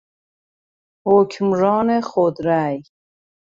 حکمران خود رای